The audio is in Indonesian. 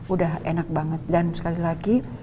udah enak banget dan sekali lagi